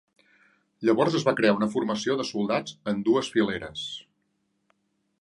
Llavors es va crear una formació de soldats en dues fileres.